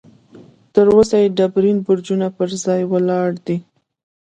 تر اوسه یې ډبرین برجونه پر ځای ولاړ دي.